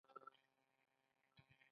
آیا د انګورو باغونه په نیاګرا کې نه دي؟